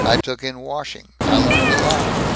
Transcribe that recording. I took in washing. I learned a lot.